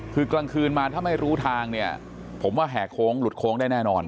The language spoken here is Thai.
คือกลางคืนมาถ้าไม่รู้ทางเนี่ยผมว่าแห่โค้งหลุดโค้งได้แน่นอน